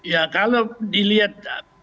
ya kalau dilihat